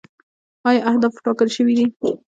آیا اهداف ټاکل شوي دي؟